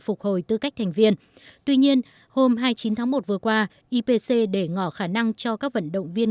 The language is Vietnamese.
phục hồi tư cách thành viên tuy nhiên hôm hai mươi chín tháng một vừa qua ipc để ngỏ khả năng cho các vận động viên